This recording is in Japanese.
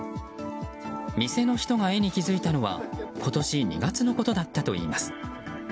店の人が絵に気づいたのは今年２月のことだったといいます。